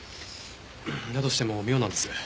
だとしても妙なんです。